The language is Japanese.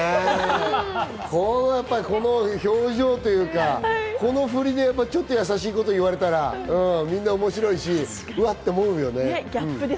この表情というか、この振りでちょっとやさしいこと言われたら、みんな面白いし、うわって思うよね。